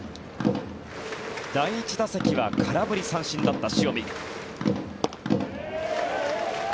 第１打席は空振り三振だった塩見。